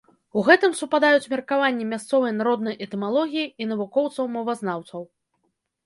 У гэтым супадаюць меркаванні мясцовай народнай этымалогіі і навукоўцаў-мовазнаўцаў.